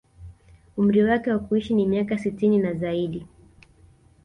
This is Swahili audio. Umri wake wa kuishi ni miaka sitini na zaidi